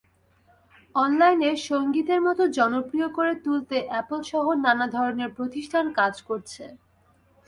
অনলাইনে সংগীতের মতো জনপ্রিয় করে তুলতে অ্যাপলসহ নানা ধরনের প্রতিষ্ঠান কাজ করছে।